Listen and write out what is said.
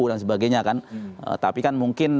dan sebagainya kan tapi kan mungkin